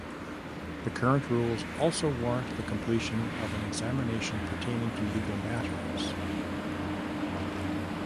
The current rules also warrant the completion of an examination pertaining to legal matters.